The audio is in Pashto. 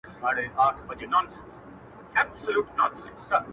عاقل نه سوې چي مي څومره خوارۍ وکړې-